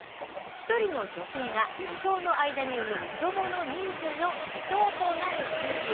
１人の女性が一生の間に産む子どもの人数の指標となる数字。